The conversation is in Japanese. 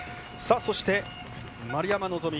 そして、丸山希。